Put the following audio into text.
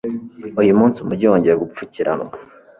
Uyu munsi umujyi wongeye gupfukiranwa